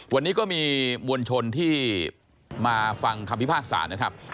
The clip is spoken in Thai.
วันนี้ก็มีมวลชนที่มาฟังคำพิพากษานะครับ